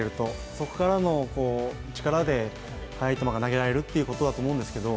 そこからの力で速い球が投げられるということだと思うんですか